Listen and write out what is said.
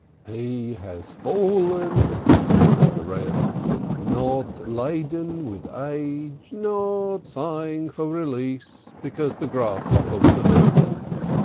"He has fallen," said the Reb, "not laden with age, nor sighing for release because the grasshopper was a burden.